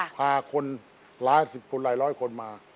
พาคนหลายสิบคนหลายร้อยคนมา